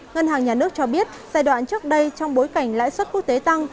ngân hàng nhà nước cho biết giai đoạn trước đây trong bối cảnh lãi suất quốc tế tăng